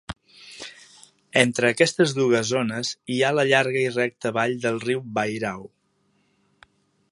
Entre aquestes dues zones hi ha la llarga i recta vall del riu Wairau.